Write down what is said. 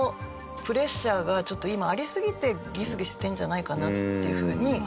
プレッシャーがちょっと今ありすぎてギスギスしてるんじゃないかなっていうふうに。